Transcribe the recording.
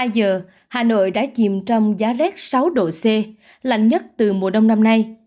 hai mươi hai giờ hà nội đã chìm trong giá lét sáu độ c lạnh nhất từ mùa đông năm nay